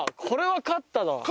これは勝ったな。